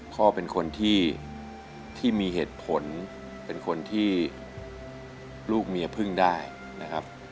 พ่อเป็นคนที่มีเหตุผลเป็นคนที่ลูกเมียพึ่งได้นะครับ